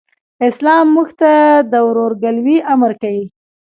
اسلام موږ ته د ورورګلوئ امر کوي.